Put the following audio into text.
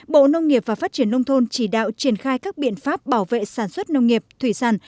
bộ nông nghiệp và phát triển nông thôn chỉ đạo triển khai các biện pháp bảo vệ sản xuất nông nghiệp thủy sản